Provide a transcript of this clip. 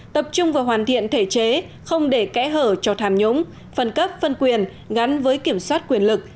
tập trung vào hoàn thiện thể chế không để kẽ hở cho tham nhũng phân cấp phân quyền gắn với kiểm soát quyền lực